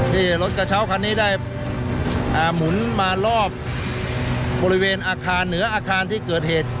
ที่รถกระเช้าคันนี้ได้หมุนมารอบบริเวณอาคารเหนืออาคารที่เกิดเหตุ